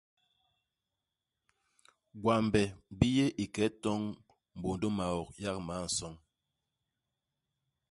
Gwambe bi yé ike itoñ mbôndô i maok yak man-isoñ.